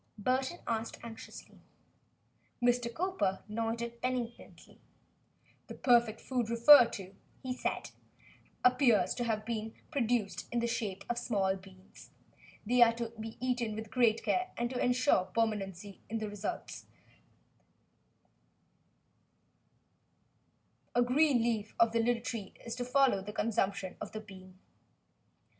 Burton asked anxiously. Mr. Cowper nodded benignantly. "The perfect food referred to," he said, "appears to have been produced in the shape of small beans. They are to be eaten with great care, and to ensure permanency in the results, a green leaf of the little tree is to follow the consumption of the bean."